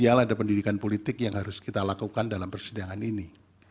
dan ada pendidikan politik yang harus kita lakukan dalam persidangan ini